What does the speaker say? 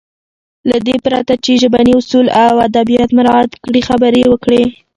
له دې پرته چې ژبني اصول او ادبيات مراعت کړي خبرې يې وکړې.